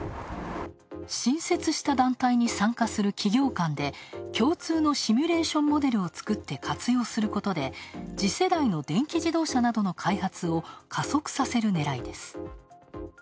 新設した団体に参加する企業間で共通のシミュレーションモデルを作って活用することで、次世代の電気自動車などの開発を加速させるねらいです。